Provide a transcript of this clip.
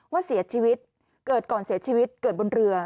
ว่าเสียชีวิตเกิดก่อนเสียชีวิตเกิดบนเรือ